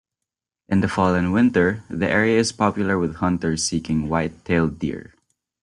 In the fall and winter, the area is popular with hunters seeking white-tailed deer.